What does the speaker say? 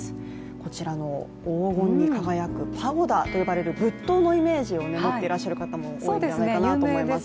こちらの黄金に輝くパゴダと呼ばれる仏塔のイメージを持ってらっしゃる方も多いのではないかなと思います。